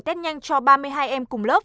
test nhanh cho ba mươi hai em cùng lớp